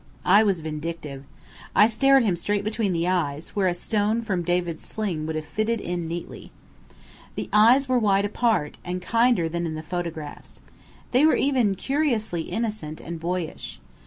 I was vindictive. I stared him straight between the eyes where a stone from David's sling would have fitted in neatly. The eyes were wide apart, and kinder than in the photographs. They were even curiously innocent, and boyish.